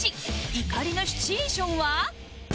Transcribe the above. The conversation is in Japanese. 怒りのシチュエーションは